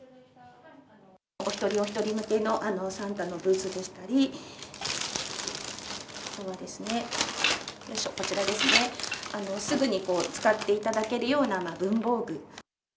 お一人お一人向けのサンタのブーツでしたり、あとはですね、よいしょ、こちらですね、すぐに使っていただけるような文房具。